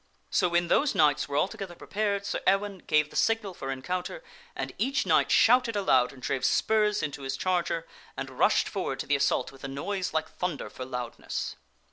So when those knights were altogether prepared, Sir Ewaine gave the signal for encounter and each knight shouted aloud and drave spurs into his charger and rushed forward to the assault with a noise like thunder for loudness.